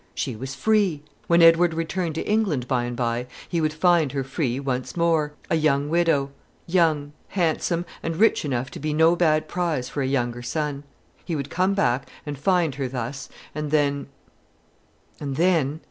She was free. When Edward returned to England by and by, he would find her free once more; a young widow, young, handsome, and rich enough to be no bad prize for a younger son. He would come back and find her thus; and then and then